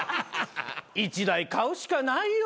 １台買うしかないよ。